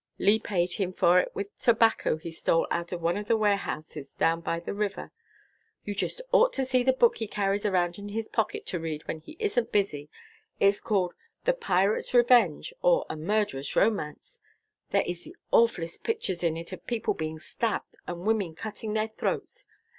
Lee paid him for it with tobacco he stole out of one of the warehouses down by the river. You just ought to see the book he carries around in his pocket to read when he isn't busy. It's called 'The Pirate's Revenge; or, A Murderer's Romance.' There is the awfulest pictures in it of people being stabbed, and women cutting their throats.